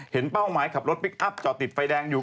เป้าหมายขับรถพลิกอัพจอดติดไฟแดงอยู่